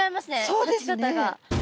そうですね。